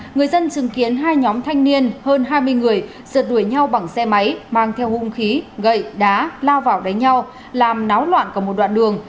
người dân chứng kiến hai nhóm thanh niên hơn hai mươi người sượt đuổi nhau bằng xe máy mang theo hung khí gậy đá lao vào đánh nhau làm náo loạn cả một đoạn đường